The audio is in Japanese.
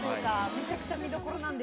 めちゃくちゃ見どころなんです。